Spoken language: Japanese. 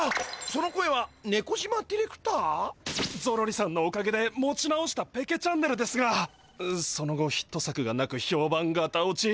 その声はネコジマディレクター！？ゾロリさんのおかげで持ち直したペケチャンネルですがその後ヒット作がなくひょうばんガタ落ち。